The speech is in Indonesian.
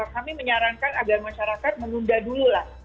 kami menyarankan agar masyarakat menunda dulu lah